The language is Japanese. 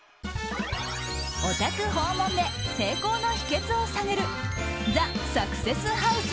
お宅訪問で成功の秘訣を探るＴＨＥサクセスハウス